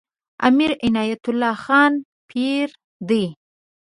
امیر عنایت الله خان پیر دی.